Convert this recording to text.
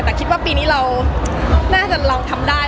แต่คิดว่าปีนี้เราน่าจะลองทำได้